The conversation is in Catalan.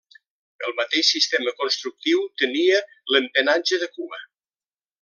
El mateix sistema constructiu tenia l'empenatge de cua.